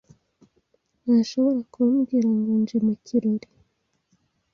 ntashobora kumbwira ngo nje mu kirori.